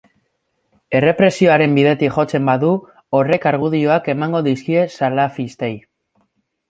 Errepresioaren bidetik jotzen badu, horrek argudioak emango dizkie salafistei.